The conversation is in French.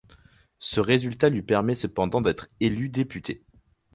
Ce résultat lui permet cependant d’être élu député.